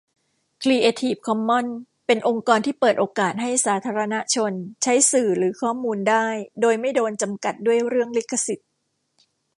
ครีเอทีฟคอมมอนส์ เป็นองค์กรที่เปิดโอกาสให้สาธารณชน ใช้สื่อหรือข้อมูลได้ โดยไม่โดนจำกัดด้วยเรื่องลิขสิทธิ์